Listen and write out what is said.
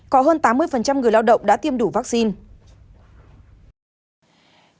có hơn tám mươi người lao động đã tiêm đủ vaccine